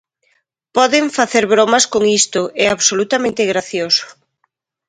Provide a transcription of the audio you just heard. Poden facer bromas con isto, é absolutamente gracioso.